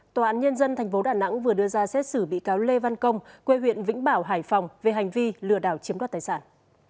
tòa án nhân dân tp đà nẵng vừa đưa ra xét xử bị cáo lê văn công quê huyện vĩnh bảo hải phòng về hành vi lừa đảo chiếm đoạt tài sản